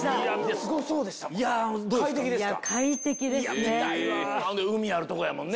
すごそうでしたもんね。